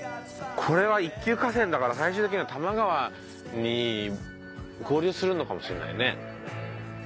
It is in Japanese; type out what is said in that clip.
これは一級河川だから最終的には多摩川に合流するのかもしれないね。